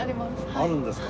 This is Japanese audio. あるんですか。